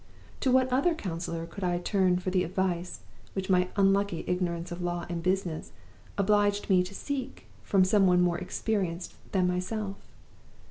To what other counselor could I turn for the advice which my unlucky ignorance of law and business obliged me to seek from some one more experienced than myself?